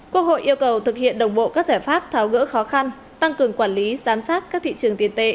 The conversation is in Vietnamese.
quốc hội yêu cầu thực hiện đồng bộ các giải pháp tháo gỡ khó khăn tăng cường quản lý giám sát các thị trường tiền tệ